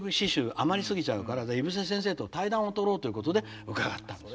余り過ぎちゃうから井伏先生と対談をとろうということで伺ったんです。